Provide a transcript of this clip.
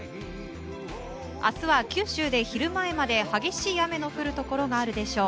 明日は、九州で昼前まで激しい雨の降るところがあるでしょう。